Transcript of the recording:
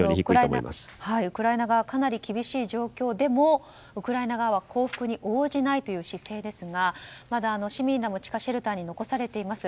ウクライナ側は今、かなり厳しい状況でもウクライナ側は降伏に応じないという姿勢ですが市民らも地下シェルターに残されています。